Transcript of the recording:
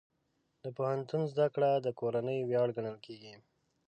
د پوهنتون زده کړه د کورنۍ ویاړ ګڼل کېږي.